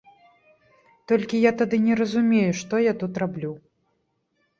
Толькі я тады не разумею, што я тут раблю.